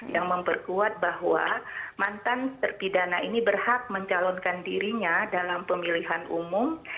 yang memperkuat bahwa mantan terpidana ini berhak mencalonkan dirinya dalam pemilihan umum